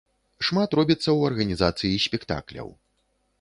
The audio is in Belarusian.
Шмат робіцца ў арганізацыі спектакляў.